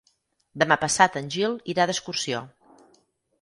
Demà passat en Gil irà d'excursió.